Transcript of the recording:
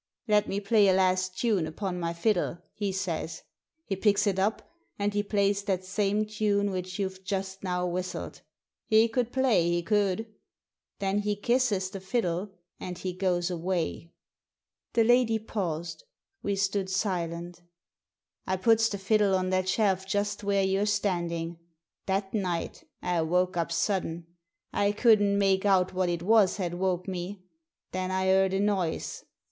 Let me play a last tune upon my fiddle,' he says. He picks it up, and he plays that same tune which you've just now whistled. He could play, he could! Then he kisses the fiddle and he goes away." The lady paused ; we stood silent " I puts the fiddle on that shelf just where you're standing. That night I woke up sudden. I couldn't make out what it was had woke me. Then I heard a noise.